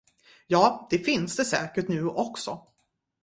Ja, det finns det säkert nu också.